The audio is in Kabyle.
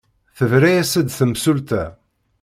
Tebra-as-d temsulta.